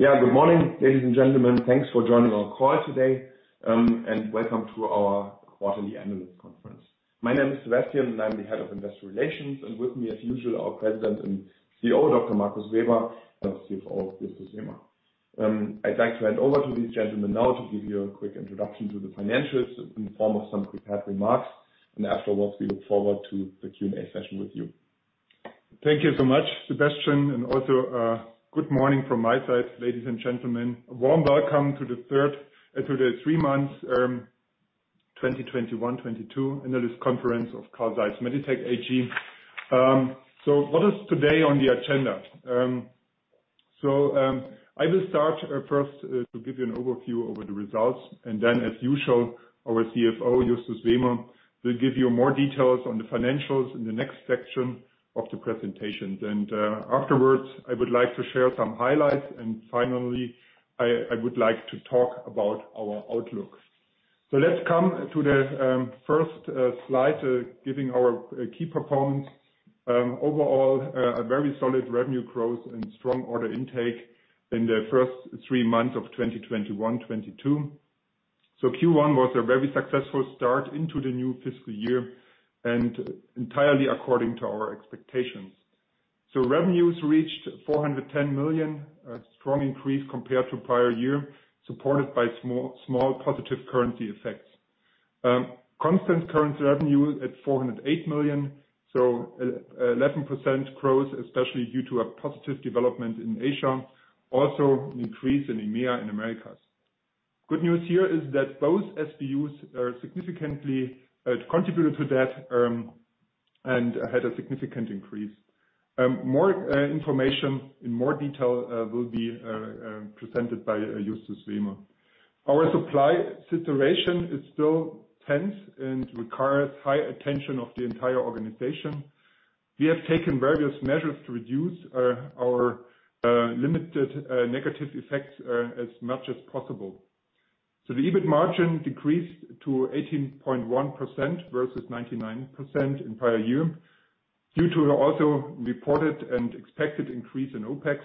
Good morning, ladies and gentlemen. Thanks for joining our call today, and welcome to our quarterly analyst conference. My name is Sebastian, and I'm the head of investor relations, and with me as usual, our President and CEO, Dr. Markus Weber, and CFO, Justus Wehmer. I'd like to hand over to these gentlemen now to give you a quick introduction to the financials in form of some prepared remarks, and afterwards, we look forward to the Q&A session with you. Thank you so much, Sebastian, and also, Good Morning from my side, ladies and gentlemen. A warm welcome to the three months 2021, 2022 analyst conference of Carl Zeiss Meditec AG. What is today on the agenda? I will start first to give you an overview over the results, and then as usual, our CFO, Justus Wehmer, will give you more details on the financials in the next section of the presentations. Afterwards, I would like to share some highlights, and finally, I would like to talk about our outlooks. Let's come to the first slide giving our key performance. Overall, A very solid revenue growth and strong order intake in the first three months of 2021, 2022. Q1 was a very successful start into the new fiscal year and entirely according to our expectations. Revenues reached 410 million, a strong increase compared to prior year, supported by small positive currency effects. Constant currency revenue at 408 million, eleven percent growth, especially due to a positive development in Asia, also an increase in EMEA and Americas. Good news here is that both SBU's significantly contributed to that and had a significant increase. More information in more detail will be presented by Justus Wehmer. Our supply situation is still tense and requires high attention of the entire organization. We have taken various measures to reduce our limited negative effects as much as possible. The EBIT margin decreased to 18.1% versus 19.9% in prior year, due to also reported and expected increase in OPEX.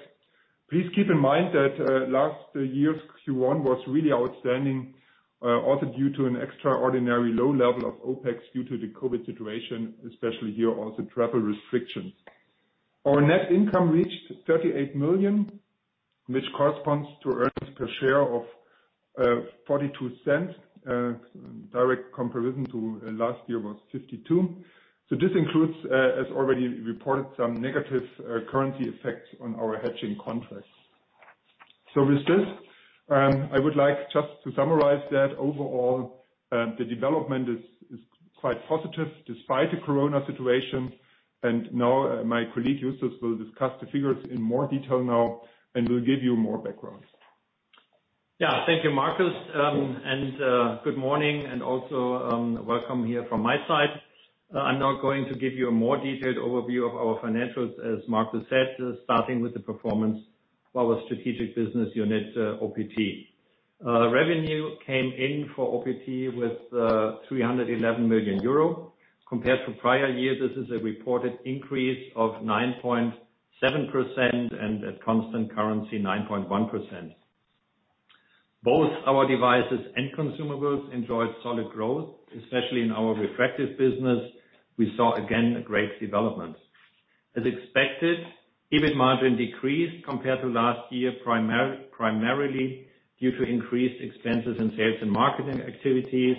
Please keep in mind that last year's Q1 was really outstanding, also due to an extraordinary low level of OPEX due to the COVID situation, especially here, also travel restrictions. Our net income reached 38 million, which corresponds to earnings per share of 0.42 EUR. Direct comparison to last year was 0.52 EUR. This includes, as already reported, some negative currency effects on our hedging contracts. With this, I would like just to summarize that overall the development is quite positive despite the corona situation. Now my colleague, Justus, will discuss the figures in more detail now and will give you more background. Thank you, Markus. Good morning, and also welcome here from my side. I'm now going to give you a more detailed overview of our financials, as Markus said, starting with the performance of our strategic business unit, OPT. Revenue came in for OPT with 311 million euro. Compared to prior year, this is a reported increase of 9.7% and at constant currency, 9.1%. Both our devices and consumables enjoyed solid growth, especially in our refractive business; we saw again a great development. As expected, EBIT margin decreased compared to last year primarily due to increased expenses in sales and marketing activities.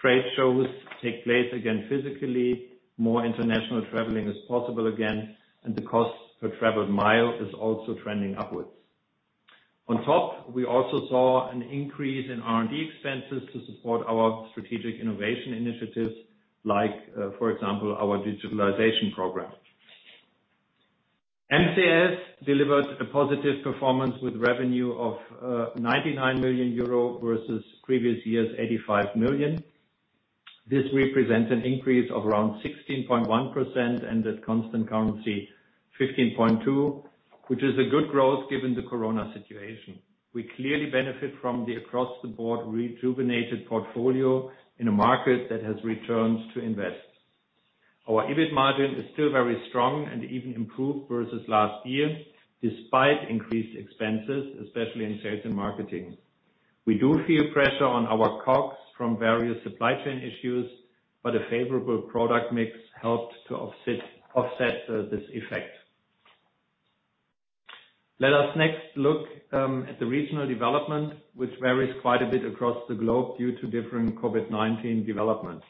Trade shows take place again physically. More international traveling is possible again, and the cost per traveled mile is also trending upwards. On top, we also saw an increase in R&D expenses to support our strategic innovation initiatives, like for example, our digitalization program. MCS delivered a positive performance with revenue of 99 million euro versus previous year's 85 million. This represents an increase of around 16.1% and at constant currency, 15.2%, which is a good growth given the COVID-19 situation. We clearly benefit from the across-the-board rejuvenated portfolio in a market that has returned to invest. Our EBIT margin is still very strong and even improved versus last year, despite increased expenses, especially in sales and marketing. We do feel pressure on our COGS from various supply chain issues, but a favorable product mix helped to offset this effect. Let us next look at the regional development, which varies quite a bit across the globe due to differing COVID-19 developments.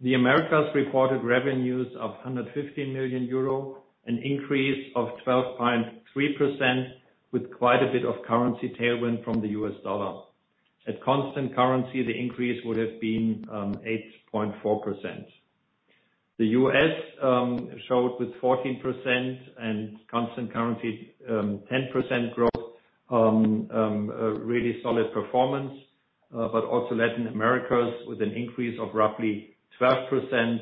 The Americas reported revenues of 115 million euro, an increase of 12.3% with quite a bit of currency tailwind from the U.S. dollar. At constant currency, the increase would have been 8.4%. The U.S. showed with 14% and constant currency 10% growth, A really solid performance. But also Latin America with an increase of roughly 12%,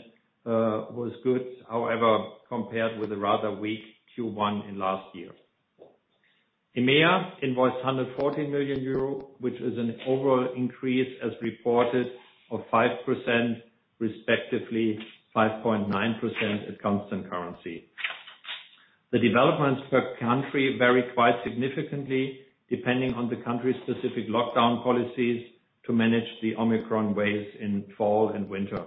was good. However, compared with the rather weak Q1 in last year, EMEA invoiced 140 million euro, which is an overall increase as reported of 5% respectively 5.9% at constant currency. The developments per country vary quite significantly depending on the country's specific lockdown policies to manage the Omicron waves in fall and winter.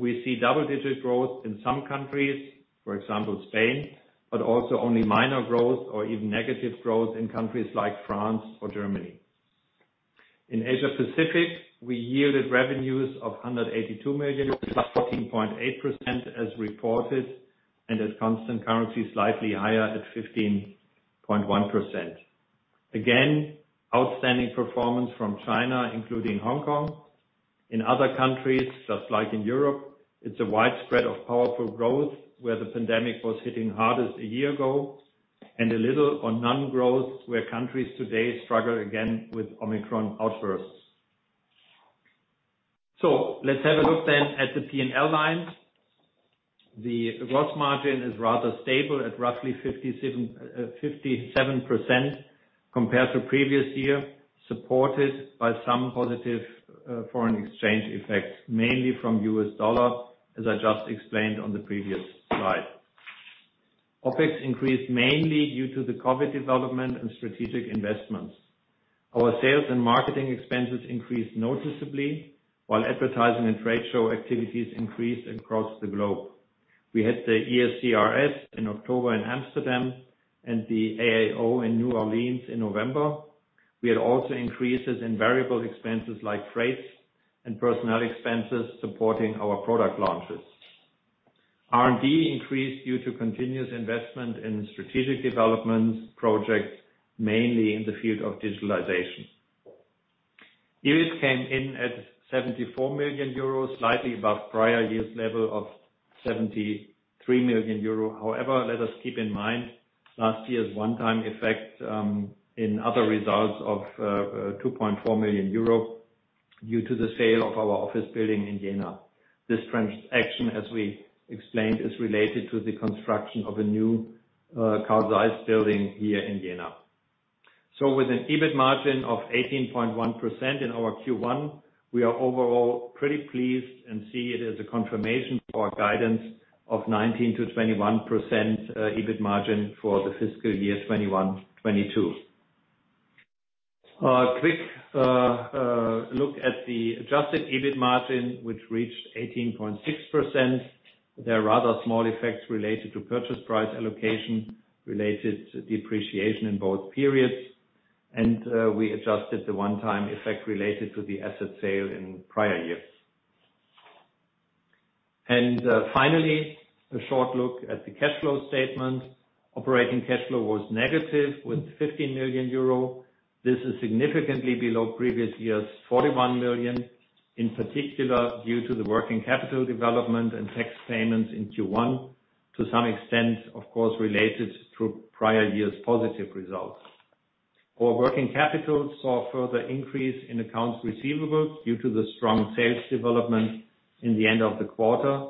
We see double-digit growth in some countries, for example, Spain, but also only minor growth or even negative growth in countries like France or Germany. In Asia Pacific, we yielded revenues of 182 million, +14.8% as reported and at constant currency, slightly higher at 15.1%. Again, outstanding performance from China, including Hong Kong. In other countries, just like in Europe, it's a widespread of powerful growth where the pandemic was hitting hardest a year ago, and a little or none growth where countries today struggle again with Omicron outbursts. Let's have a look at the P&L line. The gross margin is rather stable at roughly 57% compared to previous year, supported by some positive foreign exchange effects, mainly from US dollar, as I just explained on the previous slide. OPEX increased mainly due to the COVID development and strategic investments. Our sales and marketing expenses increased noticeably while advertising and trade show activities increased across the globe. We had the ESCRS in October in Amsterdam and the AAO in New Orleans in November. We had also increases in variable expenses like freight and personnel expenses supporting our product launches. R&D increased due to continuous investment in strategic development projects, mainly in the field of digitalization. EBIT came in at 74 million euros, slightly above prior year's level of 73 million euros. However, let us keep in mind last year's one-time effect, in other results of, two point four million euro due to the sale of our office building in Jena. This transaction, as we explained, is related to the construction of a new, Carl Zeiss building here in Jena. With an EBIT margin of 18.1% in our Q1, we are overall pretty pleased and see it as a confirmation for our guidance of 19%-21% EBIT margin for the fiscal year 2021-2022. Quick look at the adjusted EBIT margin, which reached 18.6%. There are rather small effects related to purchase price allocation, related depreciation in both periods, and we adjusted the one-time effect related to the asset sale in prior years. Finally, a short look at the cash flow statement. Operating cash flow was negative with 15 million euro. This is significantly below previous year's 41 million, in particular, due to the working capital development and tax payments in Q1 to some extent, of course, related to prior year's positive results. Our working capital saw further increase in accounts receivables due to the strong sales development in the end of the quarter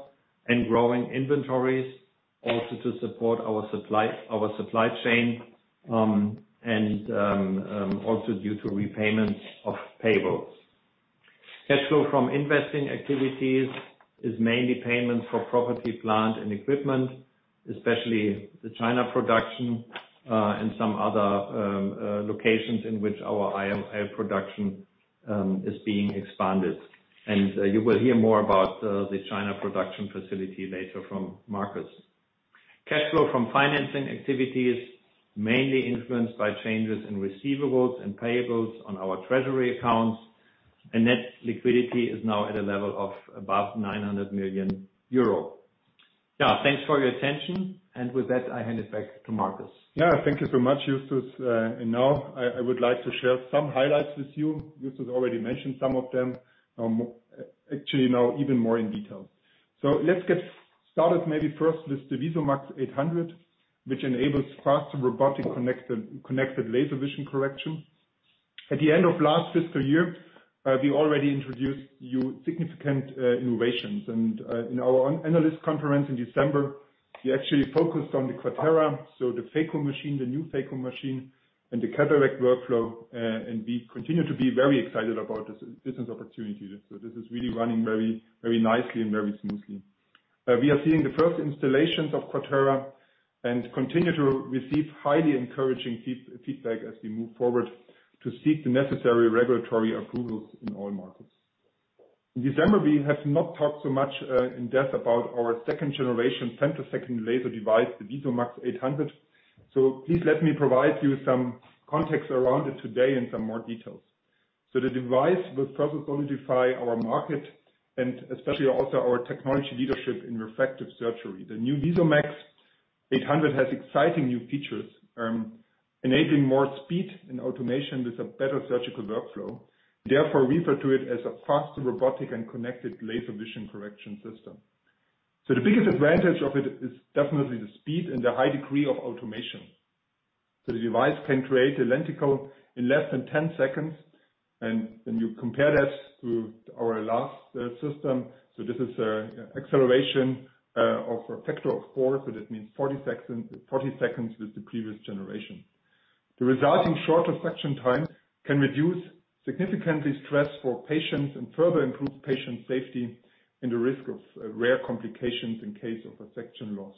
and growing inventories, also to support our supply chain, and also due to repayments of payables. Cash flow from investing activities is mainly payments for property, plant, and equipment, especially the China production and some other locations in which our IOL production is being expanded. You will hear more about the China production facility later from Marcus. Cash flow from financing activities mainly influenced by changes in receivables and payables on our treasury accounts, and net liquidity is now at a level of above 900 million euro. Thanks for your attention. With that, I hand it back to Marcus. Thank you so much, Justus. Now I would like to share some highlights with you. Justus already mentioned some of them, actually now even more in detail. Let's get started maybe first with the VISUMAX 800, which enables fast robotic connected laser vision correction. At the end of last fiscal year, we already introduced you to significant innovations. In our analyst conference in December, we actually focused on the QUATERA, so the phaco machine, the new phaco machine, and the cataract workflow. We continue to be very excited about this business opportunity. This is really running very nicely and very smoothly. We are seeing the first installations of QUATERA and continue to receive highly encouraging feedback as we move forward to seek the necessary regulatory approvals in all markets. In December, we have not talked so much in depth about our second-generation femtosecond laser device, the VISUMAX 800. Please let me provide you some context around it today and some more details. The device will further solidify our market and especially also our technology leadership in refractive surgery. The new VISUMAX 800 has exciting new features enabling more speed and automation with a better surgical workflow. Therefore, we refer to it as a fast robotic and connected laser vision correction system. The biggest advantage of it is definitely the speed and the high degree of automation. The device can create a lenticule in less than 10 seconds, and when you compare that to our last system, this is acceleration of a factor of 4, so that means 40 seconds with the previous generation. The resulting shorter section time can reduce significantly stress for patients and further improve patient safety and the risk of rare complications in case of a section loss.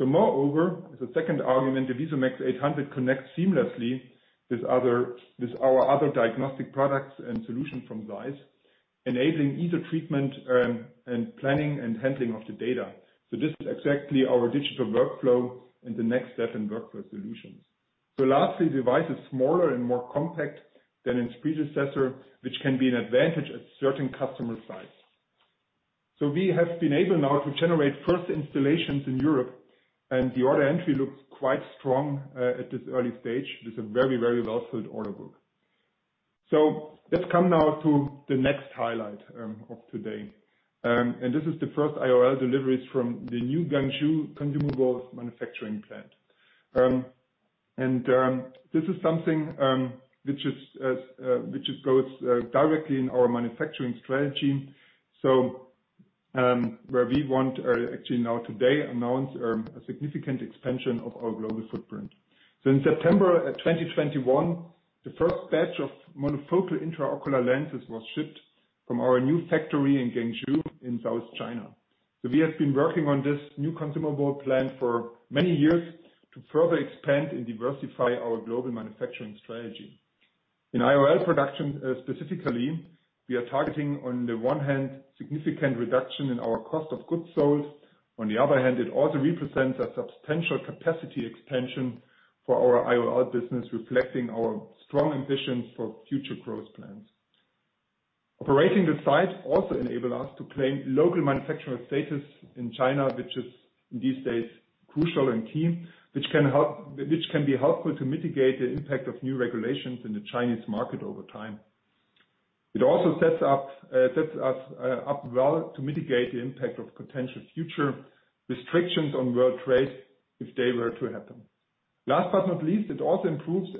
Moreover, as a second argument, the VISUMAX 800 connects seamlessly with our other diagnostic products and solutions from ZEISS, enabling easier treatment and planning and handling of the data. This is exactly our digital workflow and the next step in workflow solutions. Lastly, the device is smaller and more compact than its predecessor, which can be an advantage at certain customer sites. We have been able now to generate first installations in Europe, and the order entry looks quite strong at this early stage. There's a very, very well-filled order book. Let's come now to the next highlight of today. This is the first IOL deliveries from the new Guangzhou consumables manufacturing plant. This is something which goes directly in our manufacturing strategy. We want actually now today announce a significant expansion of our global footprint. In September 2021, the first batch of monofocal intraocular lenses was shipped from our new factory in Guangzhou in South China. We have been working on this new consumable plant for many years to further expand and diversify our global manufacturing strategy. In IOL production, specifically, we are targeting on the one hand, significant reduction in our cost of goods sold. On the other hand, it also represents a substantial capacity expansion for our IOL business, reflecting our strong ambitions for future growth plans. Operating the site also enables us to claim local manufacturer status in China, which is these days crucial and key, which can be helpful to mitigate the impact of new regulations in the Chinese market over time. It also sets us up well to mitigate the impact of potential future restrictions on world trade if they were to happen. Last but not least, it also improves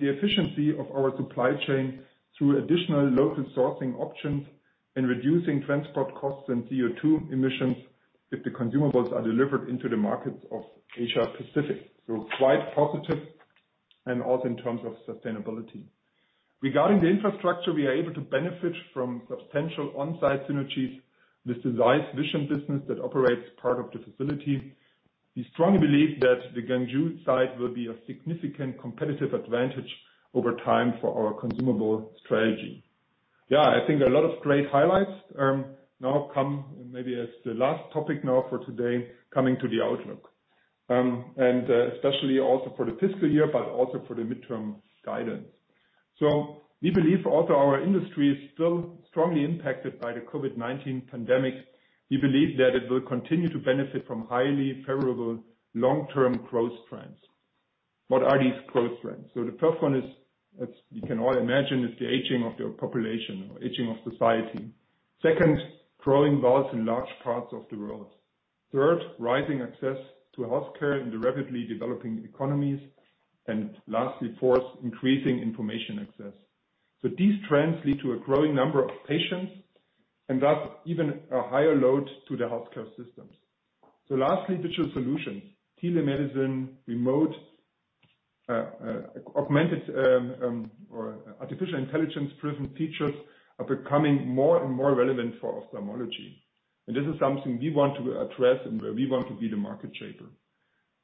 the efficiency of our supply chain through additional local sourcing options and reducing transport costs and CO₂ emissions if the consumables are delivered into the markets of Asia Pacific. Quite positive and also in terms of sustainability. Regarding the infrastructure, We are able to benefit from substantial on-site synergies with the ZEISS Vision business that operates part of the facility. We strongly believe that the Guangzhou site will be a significant competitive advantage over time for our consumable strategy. A lot of great highlights. Now, coming to the outlook as the last topic for today. Especially also for the fiscal year, but also for the midterm guidance. We believe although our industry is still strongly impacted by the COVID-19 pandemic, we believe that it will continue to benefit from highly favorable long-term growth trends. What are these growth trends? The first one, as you can all imagine, is the aging of the population or aging of society. Second, growing wealth in large parts of the world. Third, rising access to healthcare in the rapidly developing economies. Lastly, fourth, increasing information access. These trends lead to a growing number of patients and thus even a higher load to the healthcare systems. Lastly, digital solutions. Telemedicine, remote, augmented, or artificial intelligence-driven features are becoming more and more relevant for ophthalmology. This is something we want to address and where we want to be the market shaper.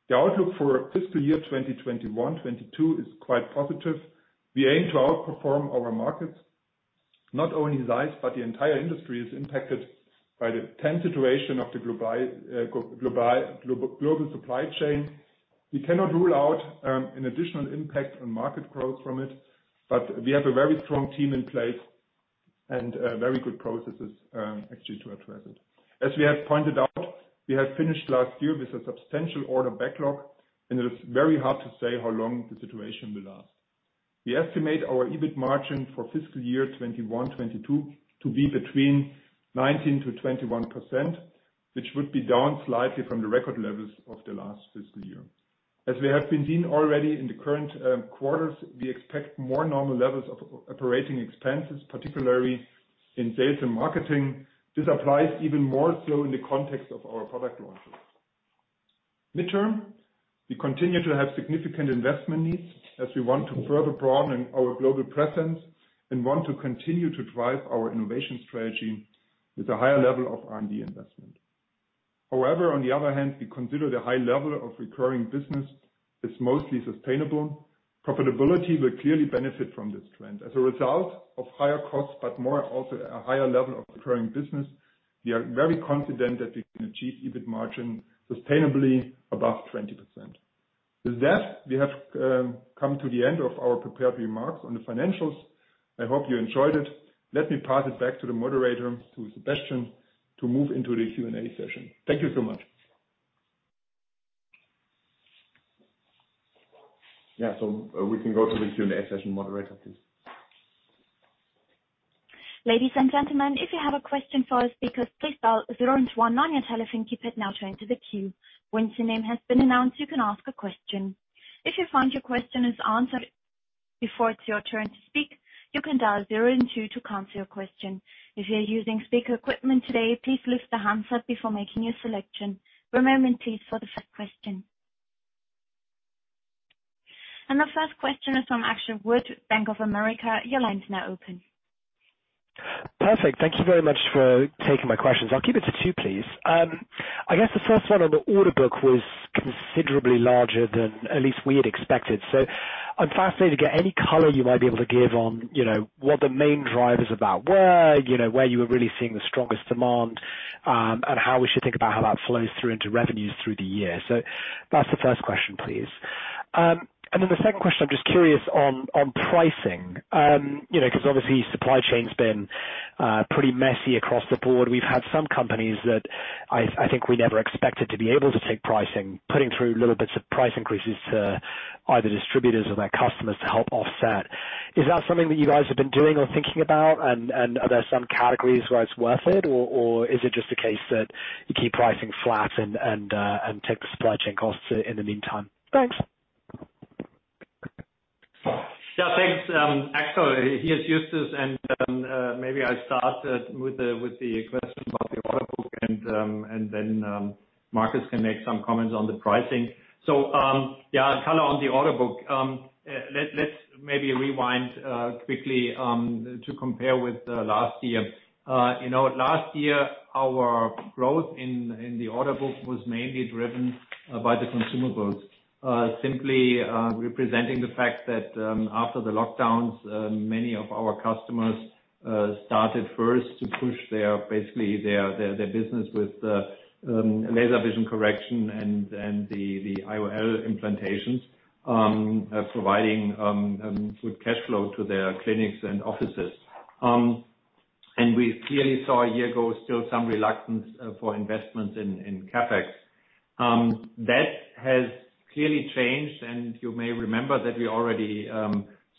The outlook for fiscal year 2021-2022 is quite positive. We aim to outperform our markets. Not only ZEISS, but the entire industry is impacted by the tense situation of the global supply chain. We cannot rule out an additional impact on market growth from it, but we have a very strong team in place and very good processes actually to address it. As we have pointed out, we have finished last year with a substantial order backlog, and it is very hard to say how long the situation will last. We estimate our EBIT margin for fiscal year 2021-2022 to be between 19%-21%, which would be down slightly from the record levels of the last fiscal year. As we have been seeing already in the current quarters, we expect more normal levels of operating expenses, particularly in sales and marketing. This applies even more so in the context of our product launches. Midterm, we continue to have significant investment needs as we want to further broaden our global presence and want to continue to drive our innovation strategy with a higher level of R&D investment. However, on the other hand, we consider the high level of recurring business is mostly sustainable. Profitability will clearly benefit from this trend. As a result of higher costs, but more also a higher level of recurring business, we are very confident that we can achieve EBIT margin sustainably above 20%. With that, we have come to the end of our prepared remarks on the financials. I hope you enjoyed it. Let me pass it back to the moderator, to Sebastian, to move into the Q&A session. Thank you so much. We can go to the Q&A session moderator, please. Ladies and gentlemen, if you have a question for our speakers, please dial zero and one on your telephone keypad now to enter the queue. Once your name has been announced, you can ask a question. If you find your question is answered before it's your turn to speak, you can dial zero and two to cancel your question. If you're using speaker equipment today, please lift the handset before making your selection. One moment, please, for the first question. The first question is from Axel in Bank of America. Your line's now open. Perfect. Thank you very much for taking my questions. I'll keep it to two, please. I guess the first one on the order book was considerably larger than at least we had expected. I'm fascinated to get any color you might be able to give on what the main drivers of that were, you know, where you were really seeing the strongest demand, and how we should think about how that flows through into revenues through the year. That's the first question, please. And then the second question, I'm just curious on pricing. 'cause obviously supply chain's been pretty messy across the board. We've had some companies that we never expected to be able to take pricing, putting through little bits of price increases to either distributors or their customers to help offset. Is that something that you guys have been doing or thinking about? Are there some categories where it's worth it or is it just a case that you keep pricing flat and take the supply chain costs in the meantime? Thanks. thanks, Anchal Verma. Here's Justus Wehmer. Maybe I'll start with the question about the order book and then Maximilian Foerst can make some comments on the pricing. color on the order book. Let's maybe rewind quickly to compare with last year. our growth in the order book was mainly driven by the consumables, simply representing the fact that after the lockdowns many of our customers started first to push their basically their business with laser vision correction and the IOL implantations providing good cash flow to their clinics and offices. We clearly saw a year ago still some reluctance for investments in CapEx. That has clearly changed, and you may remember that we already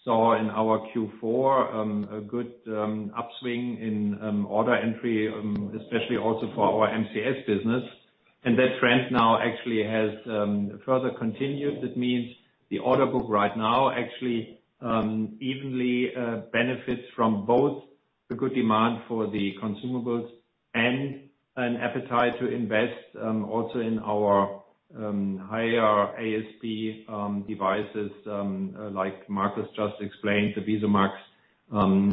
saw in our Q4 a good upswing in order entry, especially also for our MCS business. That trend now actually has further continued. That means the order book right now actually evenly benefits from both the good demand for the consumables and an appetite to invest also in our higher ASP devices, like Marcus just explained, the VISUMAX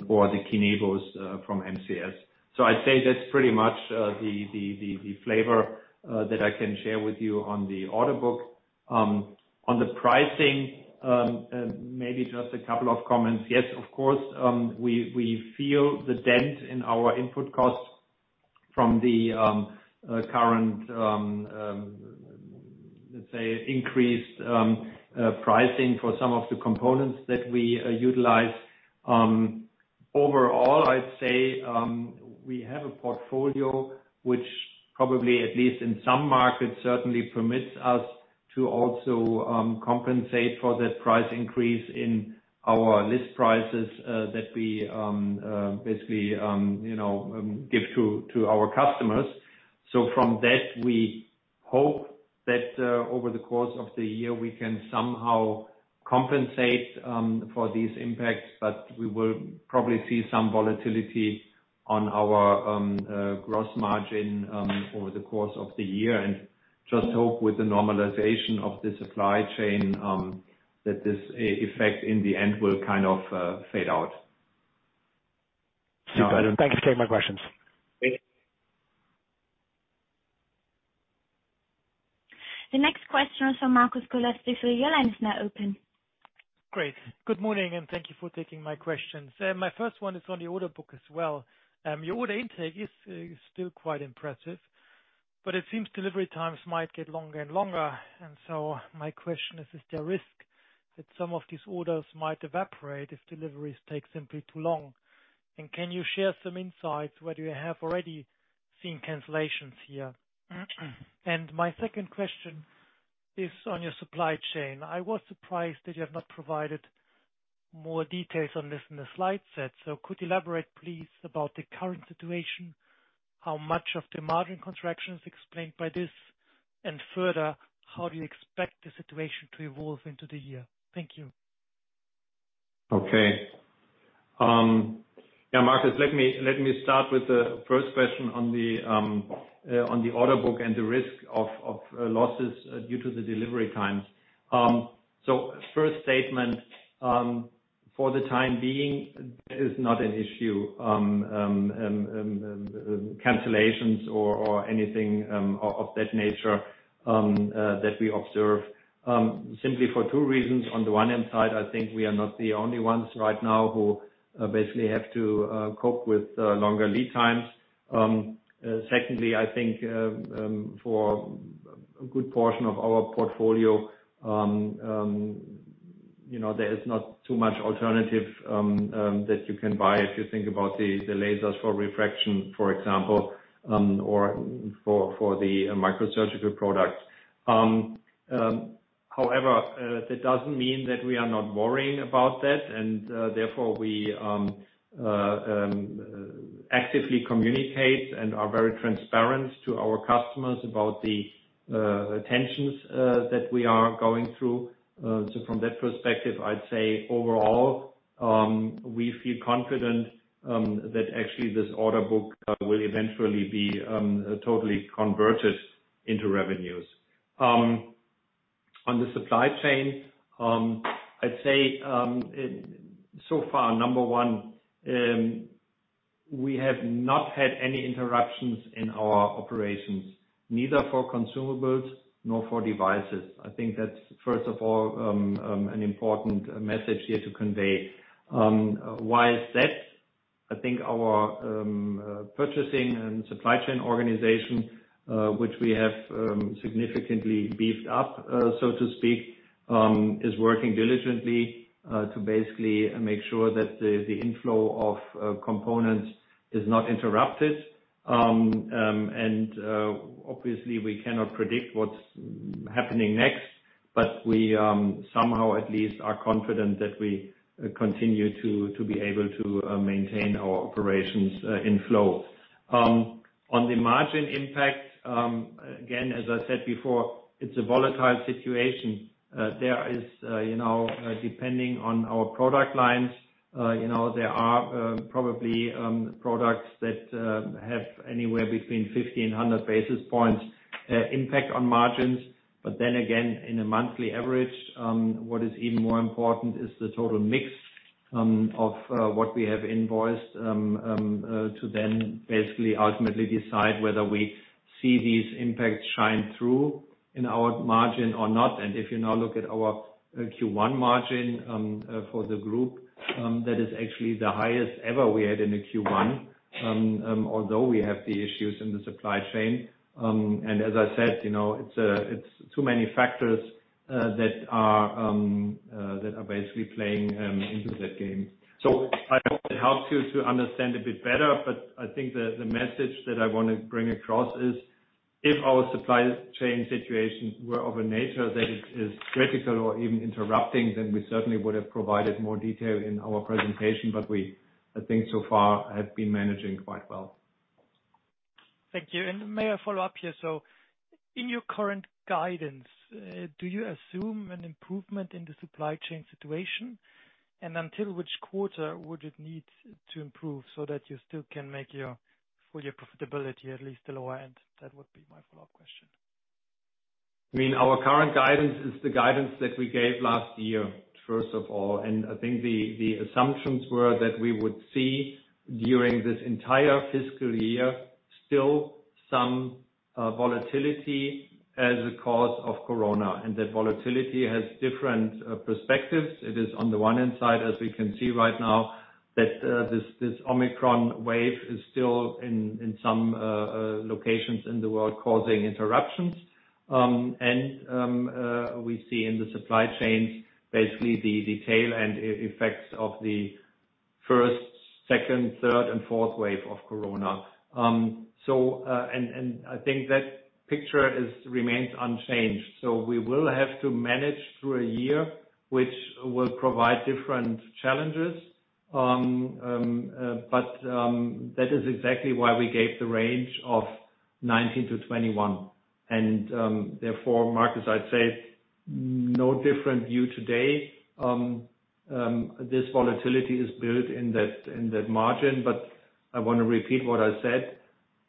or the KINEVO from MCS. So I'd say that's pretty much the flavor that I can share with you on the order book. On the pricing, maybe just a couple of comments. Yes, of course, we feel the dent in our input costs from the current, let's say increased pricing for some of the components that we utilize. Overall, I'd say, we have a portfolio which probably at least in some markets, certainly permits us to also compensate for that price increase in our list prices, that we basically, give to our customers. From that, we hope that over the course of the year, we can somehow compensate for these impacts. We will probably see some volatility on our gross margin over the course of the year and just hope with the normalization of the supply chain, that this effect in the end will kind of fade out. Thank you for taking my questions. Great. The next question is from Maximilian Foerst. Your line is now open. Great. Good morning, and thank you for taking my questions. My first one is on the order book as well. Your order intake is still quite impressive, but it seems delivery times might get longer and longer. My question is there risk that some of these orders might evaporate if deliveries take simply too long? Can you share some insights whether you have already seen cancellations here? My second question is on your supply chain. I was surprised that you have not provided more details on this in the slide set. Could you elaborate, please, about the current situation, how much of the margin contraction is explained by this? Further, how do you expect the situation to evolve into the year? Thank you. Okay. Marcus, let me start with the first question on the order book and the risk of losses due to the delivery times. First statement, for the time being, it is not an issue, cancellations or anything of that nature that we observe, simply for two reasons. On the one hand side, We are not the only ones right now who basically have to cope with longer lead times. Secondly, For a good portion of our portfolio there is not too much alternative that you can buy if you think about the lasers for refraction, for example, or for the microsurgical products. However, that doesn't mean that we are not worrying about that, and therefore we actively communicate and are very transparent to our customers about the tensions that we are going through. From that perspective, I'd say overall, we feel confident that actually this order book will eventually be totally converted into revenues. On the supply chain, I'd say, in so far, number one, we have not had any interruptions in our operations, neither for consumables nor for devices. That's first of all an important message here to convey. Why is that? Our purchasing and supply chain organization, which we have significantly beefed up, so to speak, is working diligently to basically make sure that the inflow of components is not interrupted. Obviously we cannot predict what's happening next, but we somehow at least are confident that we continue to be able to maintain our operations in flow. On the margin impact, again, as I said before, it's a volatile situation. There is depending on our product lines, there are probably products that have anywhere between 50 and 100 basis points impact on margins. In a monthly average, what is even more important is the total mix of what we have invoiced to then basically ultimately decide whether we see these impacts shine through in our margin or not. If you now look at our Q1 margin for the group, that is actually the highest ever we had in the Q1, although we have the issues in the supply chain. As I said, it's too many factors that are basically playing into that game. I hope it helps you to understand a bit better, but I think the message that I wanna bring across is, if our supply chain situations were of a nature that is critical or even interrupting, then we certainly would have provided more detail in our presentation. We, I think so far, have been managing quite well. Thank you. May I follow up here? In your current guidance, do you assume an improvement in the supply chain situation? Until which quarter would it need to improve so that you still can make your profitability, at least the lower end? That would be my follow-up question. I mean, our current guidance is the guidance that we gave last year, first of all. I think the assumptions were that we would see during this entire fiscal year still some volatility as a cause of Corona, and that volatility has different aspects. It is on the one hand side, as we can see right now that this Omicron wave is still in some locations in the world causing interruptions. We see in the supply chains basically the tail end effects of the first, second, third and fourth wave of Corona. I think that picture remains unchanged. We will have to manage through a year which will provide different challenges. That is exactly why we gave the range of 19%-21%. Therefore, Marcus, I'd say no different view today. This volatility is built in that margin, but I wanna repeat what I said.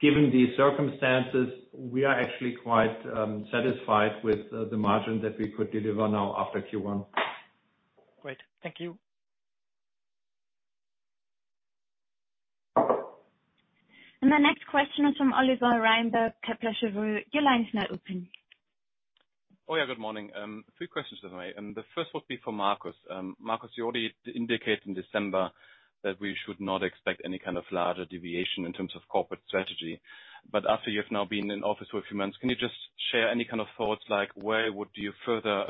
Given these circumstances, we are actually quite satisfied with the margin that we could deliver now after Q1. Great. Thank you. The next question is from Oliver Reinberg, Kepler Cheuvreux. Your line is now open. Oh, Good morning. Three questions anyway, the first would be for Marcus. Marcus, you already indicated in December that we should not expect any kind of larger deviation in terms of corporate strategy. After you've now been in office for a few months, can you just share any kind of thoughts like where would you further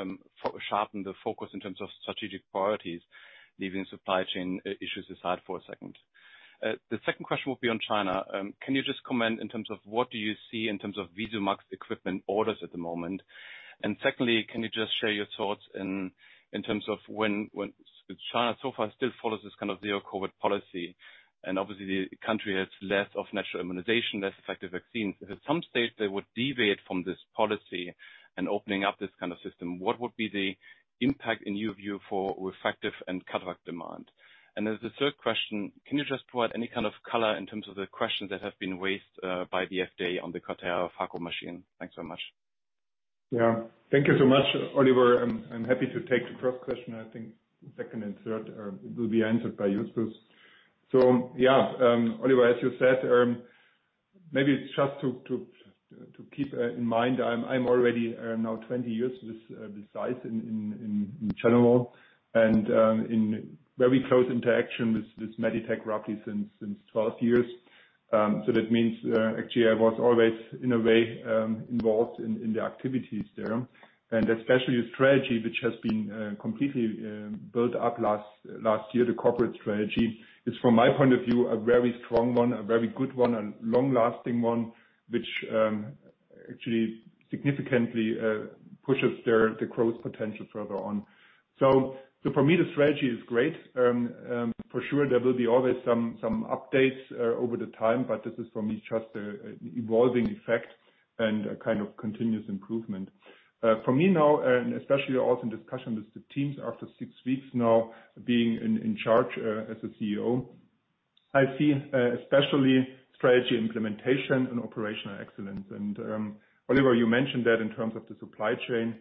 sharpen the focus in terms of strategic priorities, leaving supply chain issues aside for a second? The second question would be on China. Can you just comment in terms of what do you see in terms of VISUMAX equipment orders at the moment? Secondly, can you just share your thoughts in terms of when China so far still follows this kind of zero-COVID policy, and obviously the country has less natural immunization, less effective vaccines. If at some stage they would deviate from this policy and opening up this kind of system, what would be the impact in your view for refractive and cataract demand? The third question, can you just provide any kind of color in terms of the questions that have been raised, by the FDA on the QUATERA phaco machine? Thanks so much. Thank you so much, Oliver. I'm happy to take the first question. Second and third will be answered by Justus Wehmer. Oliver, as you said, maybe just to keep in mind, I'm already now 20 years with the Zeiss in general, and in very close interaction with Meditec roughly since 12 years. That means, actually, I was always in a way involved in the activities there. Especially the strategy which has been completely built up last year. The corporate strategy is, from my point of view, a very strong one, a very good one, a long-lasting one, which Actually significantly pushes the growth potential further on. For me, the strategy is great. For sure there will be always some updates over time, but this is for me just evolving effect and a kind of continuous improvement. For me now, and especially also in discussion with the teams after six weeks now being in charge as a CEO, I see especially strategy implementation and operational excellence. Oliver, you mentioned that in terms of the supply chain.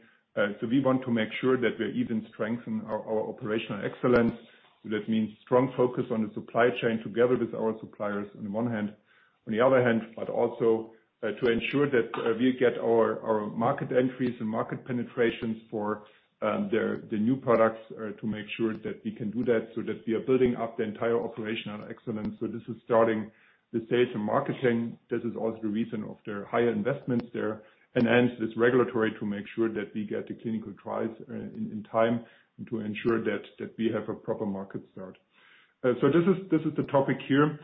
We want to make sure that we even strengthen our operational excellence. That means strong focus on the supply chain together with our suppliers on the one hand. On the other hand, but also, to ensure that we get our market entries and market penetrations for the new products to make sure that we can do that so that we are building up the entire operational excellence. This is starting the sales and marketing. This is also the reason of their higher investments there. Hence, this regulatory to make sure that we get the clinical trials in time and to ensure that we have a proper market start. This is the topic here.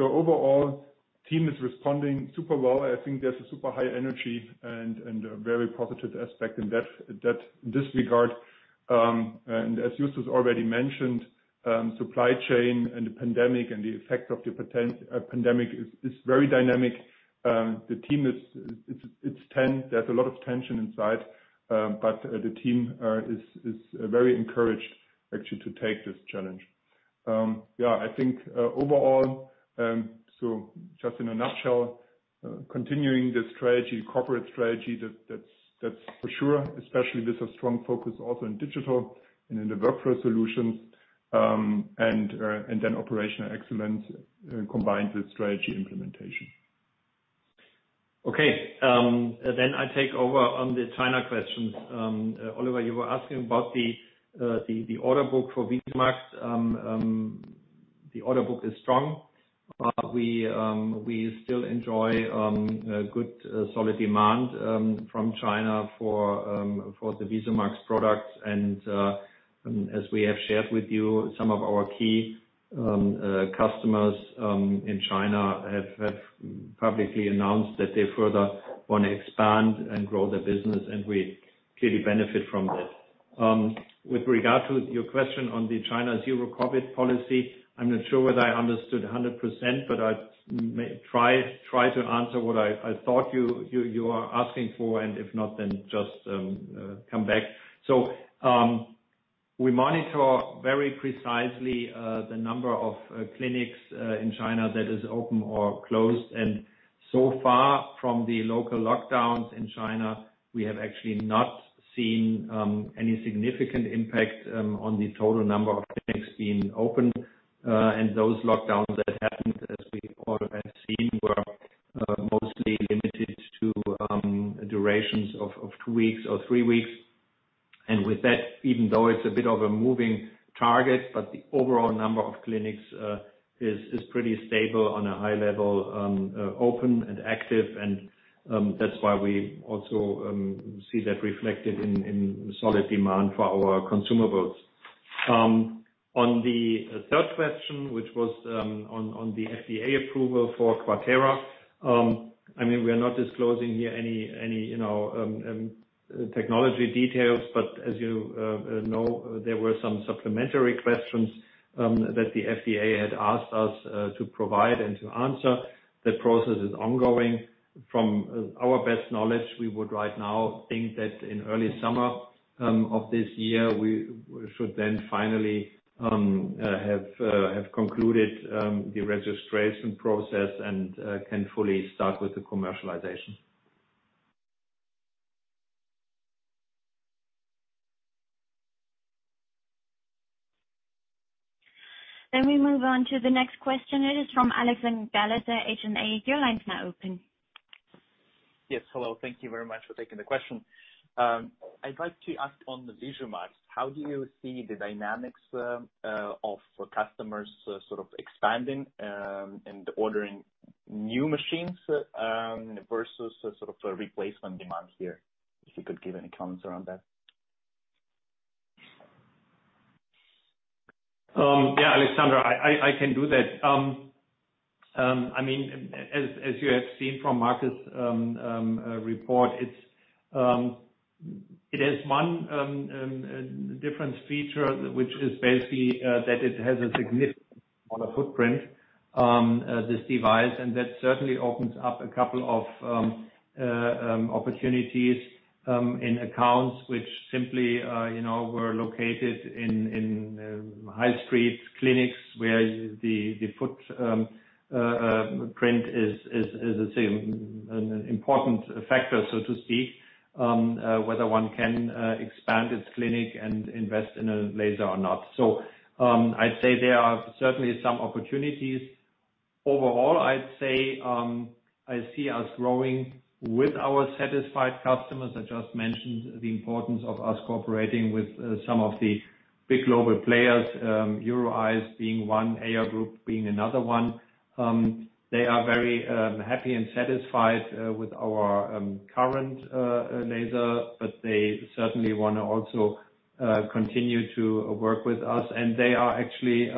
Overall, team is responding super well. There's a super high energy and a very positive aspect in that regard, and as Justus already mentioned, supply chain and the pandemic and the effect of the pandemic is very dynamic. The team is tense. There's a lot of tension inside, but the team is very encouraged actually to take this challenge. Overall, just in a nutshell, continuing the strategy, corporate strategy that's for sure, especially with a strong focus also in digital and in the workflow solutions, and then operational excellence combined with strategy implementation. Okay. I take over on the China questions. Oliver, you were asking about the order book for VisuMax. The order book is strong. We still enjoy a good solid demand from China for the VisuMax products. As we have shared with you, some of our key customers in China have publicly announced that they further wanna expand and grow their business, and we clearly benefit from that. With regard to your question on the China zero COVID policy, I'm not sure whether I understood 100%, but I may try to answer what I thought you are asking for, and if not, then just come back. We monitor very precisely the number of clinics in China that is open or closed. So far from the local lockdowns in China, we have actually not seen any significant impact on the total number of clinics being open. Those lockdowns that happened as we all have seen were mostly limited to durations of two weeks or three weeks. With that, even though it's a bit of a moving target, but the overall number of clinics is pretty stable on a high level open and active. That's why we also see that reflected in solid demand for our consumables. On the third question, which was on the FDA approval for QUATERA, I mean, we are not disclosing here any technology details, but as there were some supplementary questions that the FDA had asked us to provide and to answer. That process is ongoing. From our best knowledge, we would right now think that in early summer of this year, we should then finally have concluded the registration process and can fully start with the commercialization. We move on to the next question. It is from Alexander Galitsa at H&A. Your line is now open. Yes. Hello. Thank you very much for taking the question. I'd like to ask on the VISUMAX, how do you see the dynamics of customers sort of expanding and ordering new machines versus a sort of a replacement demand here? If you could give any comments around that. Alexander Galitsa, I can do that. I mean, as you have seen from Maximilian Foerst's report, it has one different feature, which is basically that it has a significant amount of footprint this device. That certainly opens up a couple of opportunities in accounts which simply you know were located in high streets clinics where the footprint is let's say an important factor, so to speak, whether one can expand its clinic and invest in a laser or not. I'd say there are certainly some opportunities. Overall, I'd say I see us growing with our satisfied customers. I just mentioned the importance of us cooperating with some of the big global players, EuroEyes being one, AIER Group being another one. They are very happy and satisfied with our current laser, but they certainly wanna also continue to work with us, and they are actually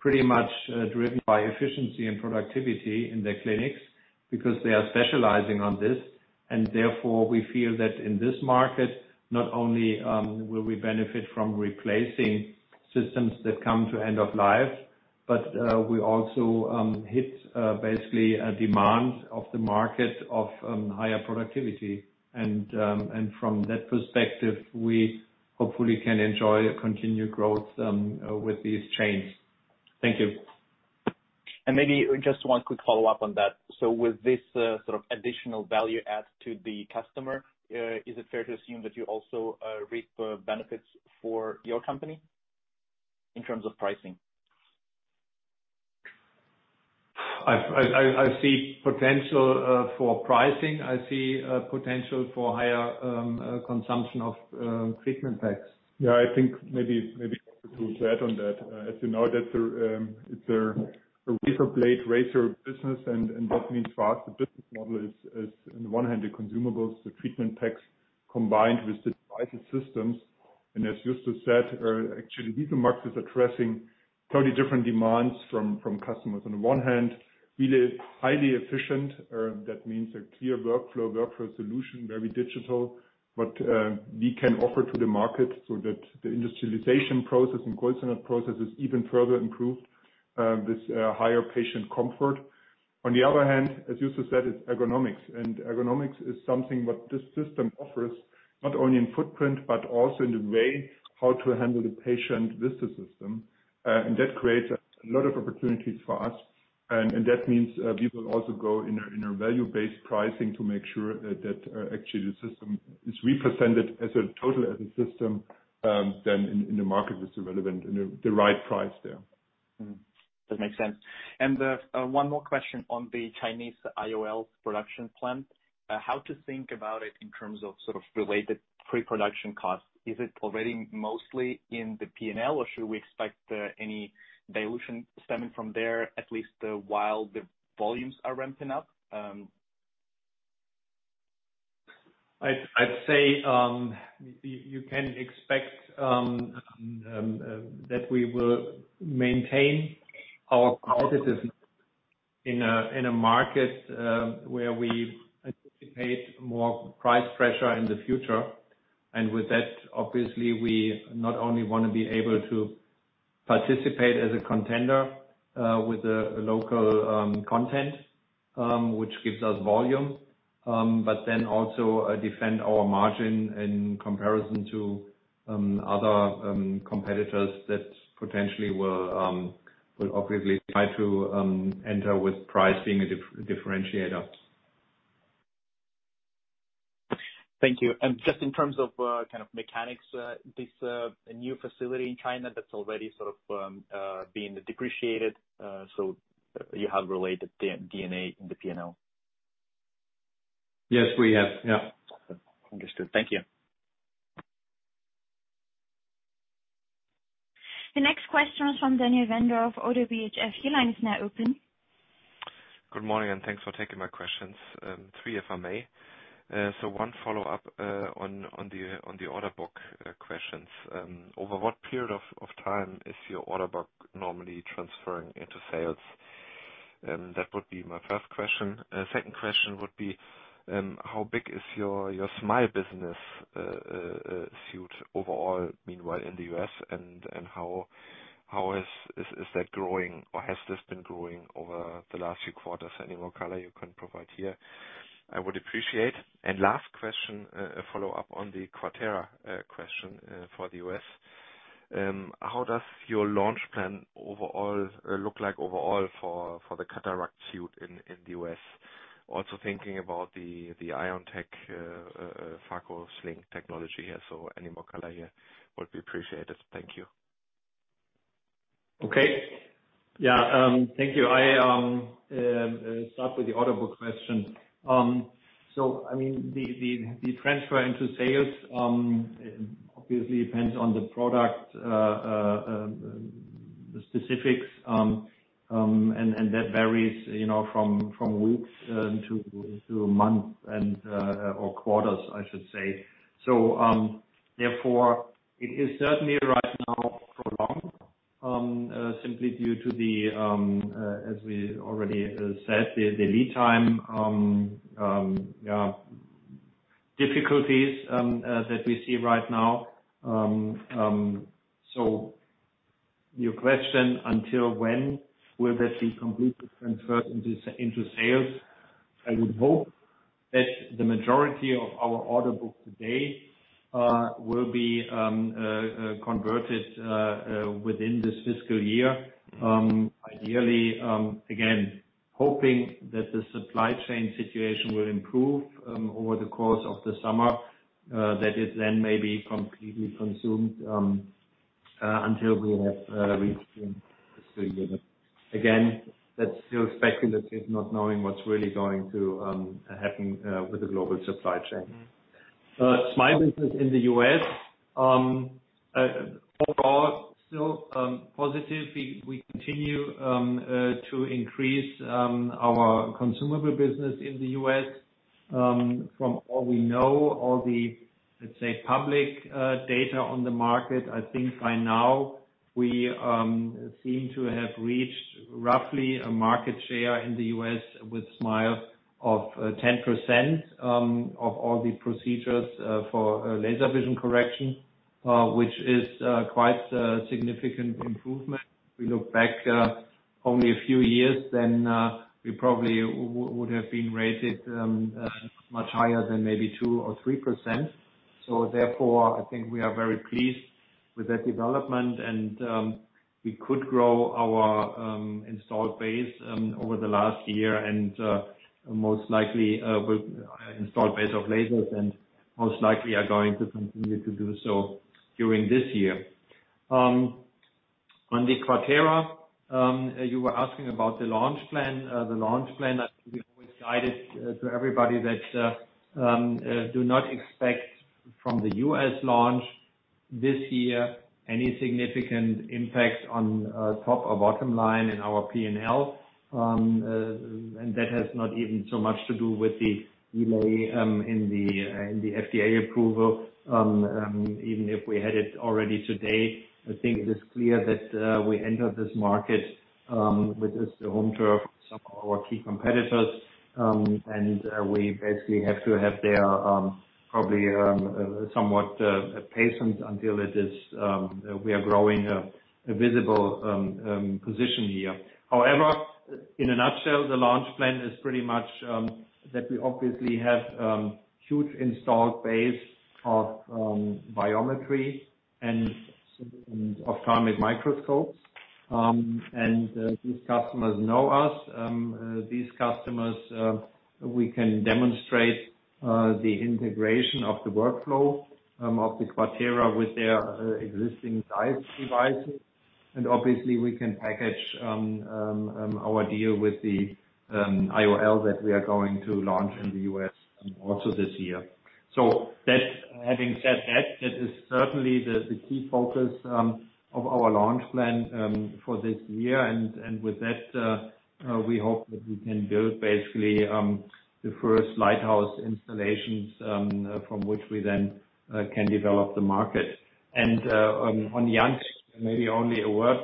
pretty much driven by efficiency and productivity in their clinics because they are specializing on this. Therefore, we feel that in this market, not only will we benefit from replacing systems that come to end of life, but we also hit basically a demand of the market of higher productivity. From that perspective, we hopefully can enjoy continued growth with these chains. Thank you. Maybe just one quick follow-up on that. With this, sort of additional value add to the customer, is it fair to assume that you also reap benefits for your company in terms of pricing? I see potential for pricing. I see potential for higher consumption of treatment packs. I think maybe to add on that, as you know, it's a razor blade business end, and that means for us the business model is on the one hand, the consumables, the treatment packs, combined with the device systems. As Justus said, actually these markets addressing totally different demands from customers. On the one hand, really highly efficient, that means a clear workflow solution, very digital, but we can offer to the market so that the industrialization process and customer process is even further improved with higher patient comfort. On the other hand, as Justus said, it's ergonomics. Ergonomics is something that this system offers, not only in footprint, but also in the way how to handle the patient with the system. That creates a lot of opportunities for us. That means we will also go in a value-based pricing to make sure that actually the system is represented as a total system in the market that's relevant and the right price there. That makes sense. One more question on the Chinese IOLs production plant. How to think about it in terms of sort of related pre-production costs? Is it already mostly in the P&L, or should we expect any dilution stemming from there, at least while the volumes are ramping up? I'd say you can expect that we will maintain our positive in a market where we anticipate more price pressure in the future. With that, obviously, we not only want to be able to participate as a contender with the local content which gives us volume but then also defend our margin in comparison to other competitors that potentially will obviously try to enter with pricing a differentiator. Thank you. Just in terms of, kind of mechanics, this new facility in China that's already sort of being depreciated, so you have related D&A in the P&L? Yes, we have. Understood. Thank you. The next question is from Daniel Wendorff of ODDO BHF. Your line is now open. Good morning, and thanks for taking my questions. Three, if I may. One follow-up on the order book questions. Over what period of time is your order book normally transferring into sales? That would be my first question. Second question would be, how big is your SMILE business suite overall, meanwhile, in the U.S., and how is that growing or has this been growing over the last few quarters? Any more color you can provide here, I would appreciate. Last question, a follow-up on the QUATERA question for the U.S. How does your launch plan overall look like overall for the cataract suite in the U.S.? Also thinking about the IanTECH Phaco Sling technology here. Any more color here would be appreciated. Thank you. Thank you. I start with the order book question. The transfer into sales obviously depends on the product, the specifics, and that varies, you know, from weeks to months or quarters, I should say. Therefore, it is certainly right now prolonged simply due to the, as we already said, the lead time difficulties that we see right now. Your question, until when will this be completely transferred into sales? I would hope that the majority of our order book today will be converted within this fiscal year. Ideally, again, hoping that the supply chain situation will improve over the course of the summer, that is then maybe completely consumed until we have reached the fiscal year. Again, that's still speculative, not knowing what's really going to happen with the global supply chain. SMILE business in the U.S., overall still positive. We continue to increase our consumable business in the U.S. From all we know, all the, let's say, public data on the market, By now we seem to have reached roughly a market share in the U.S. with SMILE of 10% of all the procedures for laser vision correction, which is quite a significant improvement. If we look back only a few years then we probably would have been rated much higher than maybe 2 or 3%. we are very pleased with that development and we could grow our installed base over the last year and most likely installed base of lasers and most likely are going to continue to do so during this year. On the QUATERA you were asking about the launch plan. The launch plan we always guide it to everybody that do not expect from the U.S. launch this year any significant impact on top or bottom line in our P&L. That has not even so much to do with the delay in the FDA approval. Even if we had it already today, it is clear that we enter this market, which is the home turf of some of our key competitors, and we basically have to have there probably somewhat patient until it is we are growing a visible position here. However, in a nutshell, the launch plan is pretty much that we obviously have huge installed base of biometry and ophthalmic microscopes. These customers know us. These customers, we can demonstrate the integration of the workflow of the QUATERA with their existing ZEISS devices. Obviously, we can package our deal with the IOL that we are going to launch in the U.S. also this year. Having said that is certainly the key focus of our launch plan for this year. With that, we hope that we can build basically the first lighthouse installations from which we then can develop the market. On the IanTECH, maybe only a word,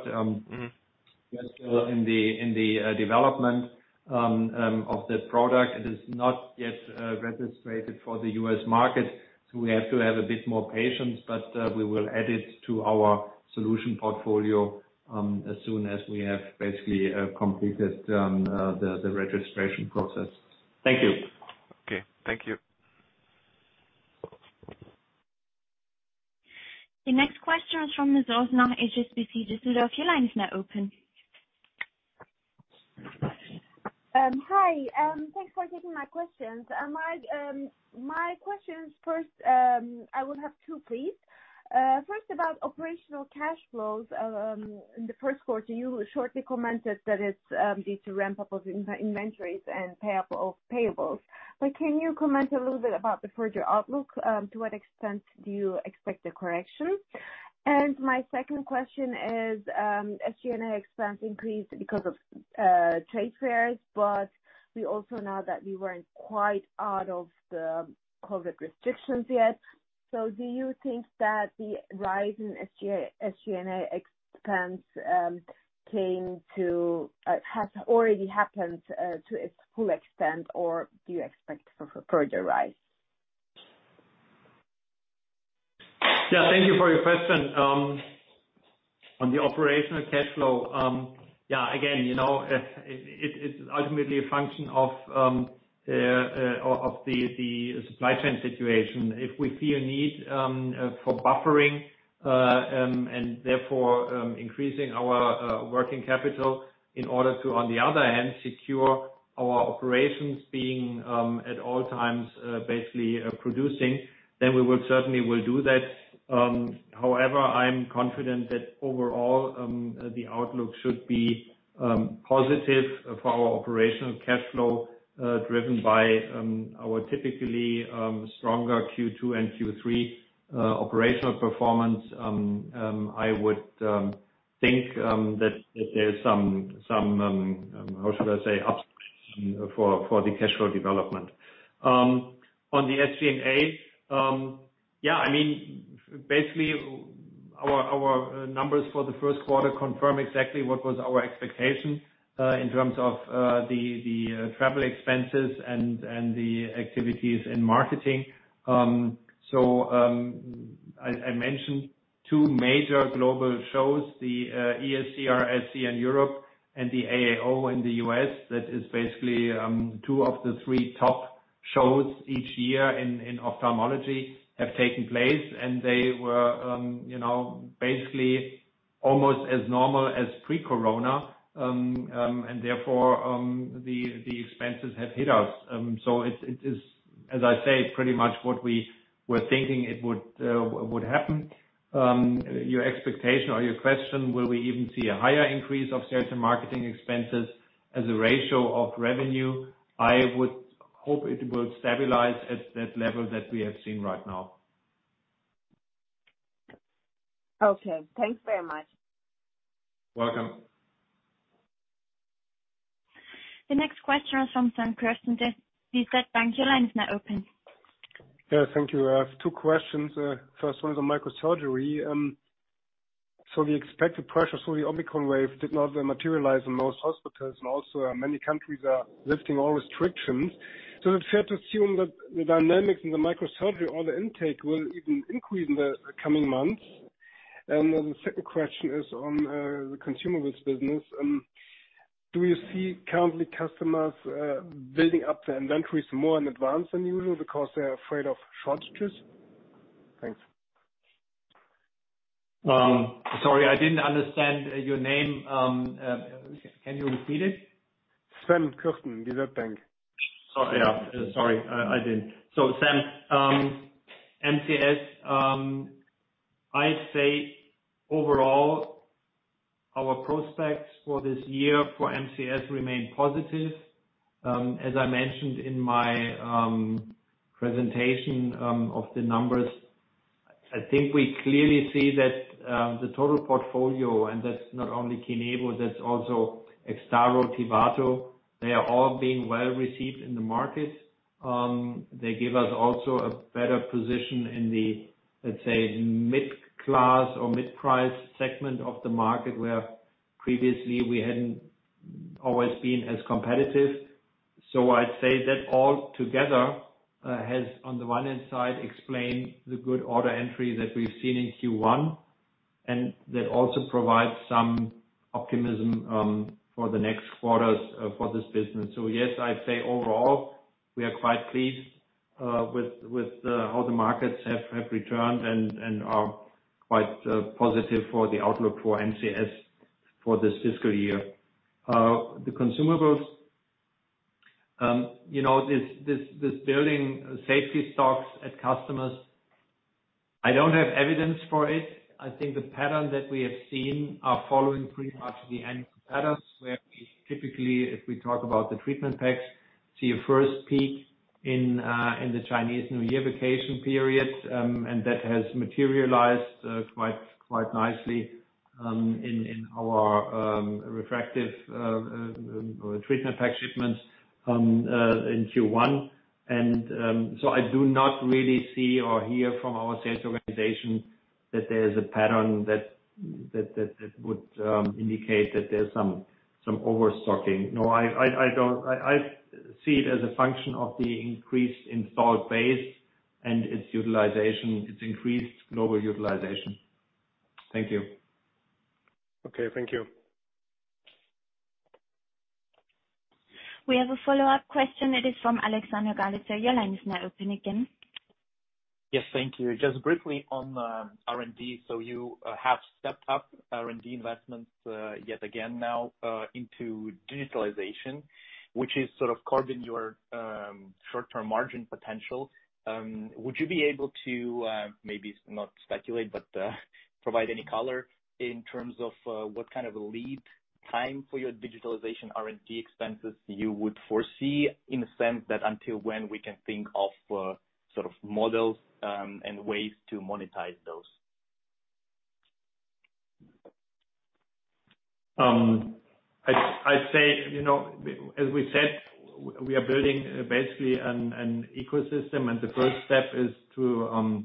we are still in the development of that product. It is not yet registered for the U.S. market, so we have to have a bit more patience, but we will add it to our solution portfolio as soon as we have basically completed the registration process. Thank you. Okay. Thank you. The next question is from Sezgi Oezener, HSBC. Your line is now open. Hi. Thanks for taking my questions. My questions first, I will have two, please. First about operational cash flows. In the first quarter, you shortly commented that it's due to ramp up of inventories and payables. Can you comment a little bit about the further outlook? To what extent do you expect a correction? My second question is, SG&A expense increased because of trade fairs, but we also know that we weren't quite out of the COVID restrictions yet. Do you think that the rise in SG&A expense has already happened to its full extent, or do you expect further rise? Thank you for your question. On the operational cash flow, again, it's ultimately a function of the supply chain situation. If we see a need for buffering and therefore increasing our working capital in order to, on the other hand, secure our operations being at all times basically producing, then we will certainly do that. However, I'm confident that overall the outlook should be positive for our operational cash flow driven by our typically stronger Q2 and Q3 operational performance. I would think that there is some, how should I say, upside for the cash flow development. On the SG&A, basically, our numbers for the first quarter confirm exactly what was our expectation, in terms of the travel expenses and the activities in marketing. I mentioned two major global shows, the ESCRS in Europe and the AAO in the U.S. That is basically two of the three top shows each year in ophthalmology have taken place, and they were, basically almost as normal as pre-corona, and therefore, the expenses have hit us. It is, as I say, pretty much what we were thinking it would happen. Your expectation or your question, will we even see a higher increase of sales and marketing expenses as a ratio of revenue? I would hope it would stabilize at that level that we have seen right now. Okay, thanks very much. Welcome. The next question is from Samuel Andrew England. The Berenberg line is now open. Thank you. I have two questions. First one is on microsurgery. The expected pressure through the Omicron wave did not materialize in most hospitals, and also, many countries are lifting all restrictions. Is it fair to assume that the dynamics in the microsurgery or the intake will even increase in the coming months? The second question is on the consumables business. Do you see currently customers building up their inventories more in advance than usual because they are afraid of shortages? Thanks. Sorry, I didn't understand your name. Can you repeat it? Samuel England, DZ Bank. Sam, MCS, I'd say overall our prospects for this year for MCS remain positive. As I mentioned in my presentation of the numbers, I think we clearly see that the total portfolio, and that's not only KINEVO, that's also EXTARO, TIVATO, they are all being well received in the market. They give us also a better position in the, let's say, mid-class or mid-price segment of the market, where previously we hadn't always been as competitive. I'd say that all together has on the one hand side explained the good order entry that we've seen in Q1, and that also provides some optimism for the next quarters for this business. Yes, I'd say overall, we are quite pleased with how the markets have returned and are quite positive for the outlook for MCS for this fiscal year. The consumables, you know, this building safety stocks at customers, I don't have evidence for it. The pattern that we have seen are following pretty much the end patterns, where we typically, if we talk about the treatment packs, see a first peak in the Chinese New Year vacation period, and that has materialized quite nicely in our refractive treatment pack shipments in Q1. I do not really see or hear from our sales organization that there's a pattern that would indicate that there's some overstocking. No, I don't. I see it as a function of the increased installed base and its utilization, its increased global utilization. Thank you. Okay, thank you. We have a follow-up question. It is from Alexander Galitsa. Your line is now open again. Yes, thank you. Just briefly on R&D. You have stepped up R&D investments yet again now into digitalization, which is sort of curbing your short-term margin potential. Would you be able to maybe not speculate, but provide any color in terms of what kind of a lead time for your digitalization R&D expenses you would foresee, in the sense that until when we can think of sort of models and ways to monetize those? I'd say, as we said, we are building basically an ecosystem, and the first step is to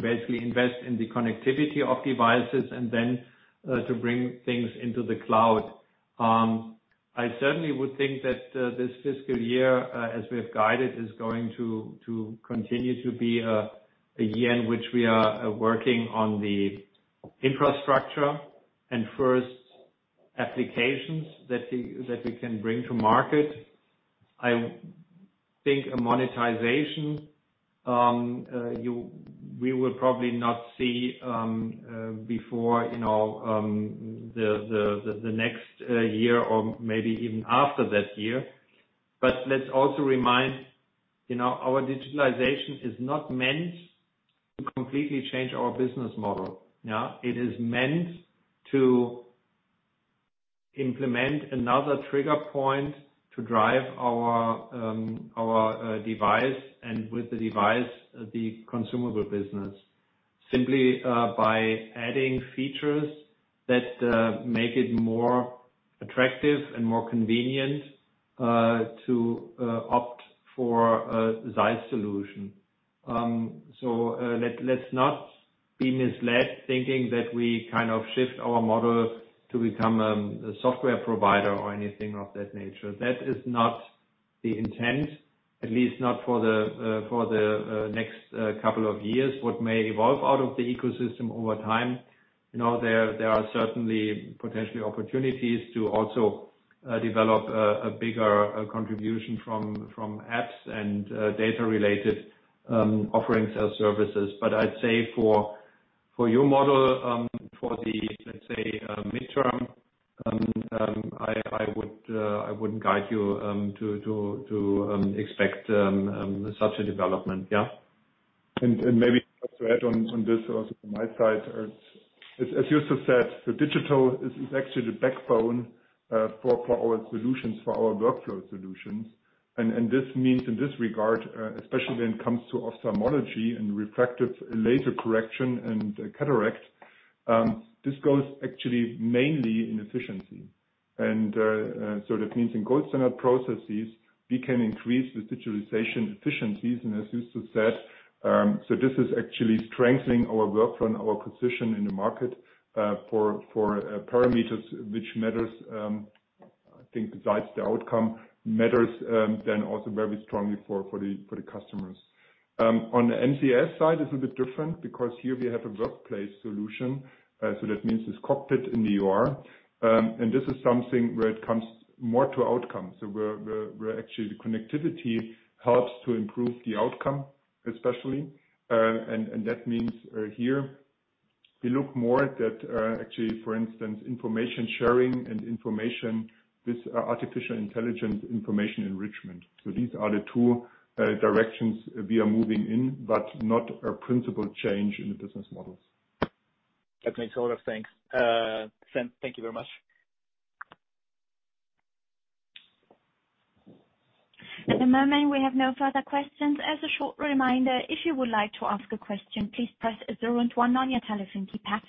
basically invest in the connectivity of devices and then to bring things into the cloud. I certainly would think that this fiscal year, as we have guided, is going to continue to be a year in which we are working on the infrastructure and first applications that we can bring to market. I think a monetization we will probably not see before, you know, the next year or maybe even after that year. Let's also remind, our digitalization is not meant to completely change our business model. It is meant to implement another trigger point to drive our device, and with the device, the consumable business, simply by adding features that make it more attractive and more convenient to opt for a ZEISS solution. Let's not be misled thinking that we kind of shift our model to become a software provider or anything of that nature. That is not the intent, at least not for the next couple of years. What may evolve out of the ecosystem over time, you know, there are certainly potentially opportunities to also develop a bigger contribution from apps and data-related offerings as services. I'd say for your model, for the, let's say, midterm, I wouldn't guide you to expect such a development. Maybe just to add on this also from my side, as Justus said, the digital is actually the backbone for our solutions, for our workflow solutions. This means in this regard, especially when it comes to ophthalmology and refractive laser correction and cataract, this goes actually mainly in efficiency. So that means in gold standard processes, we can increase the digitalization efficiencies, and as Justus said, so this is actually strengthening our workflow and our position in the market for parameters which matter, besides the outcome, also very strongly for the customers. On the MCS side, it's a bit different because here we have a workplace solution. So that means it's cockpit in the OR. This is something where it comes more to outcomes. Where actually the connectivity helps to improve the outcome, especially. That means here we look more at that, actually, for instance, information sharing and information with artificial intelligence information enrichment. These are the two directions we are moving in, but not a principal change in the business models. Okay, it's all right. Thanks. Thank you very much. At the moment, we have no further questions. As a short reminder, if you would like to ask a question, please press 0 and 1 on your telephone keypad.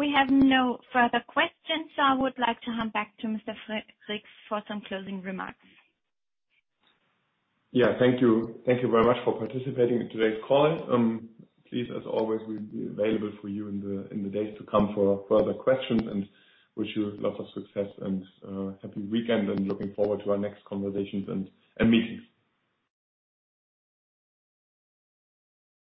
We have no further questions, so I would like to hand back to Mr. Frericks for some closing remarks. Thank you. Thank you very much for participating in today's call. Please, as always, we'll be available for you in the days to come for further questions and wish you lots of success and happy weekend, and looking forward to our next conversations and meetings.